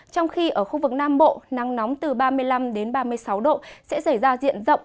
trong khi ở khu vực nam bộ nắng nóng từ ba mươi năm đến ba mươi sáu độ sẽ xảy ra diện rộng